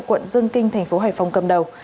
quận dương kinh thành phố hải phòng cầm đầu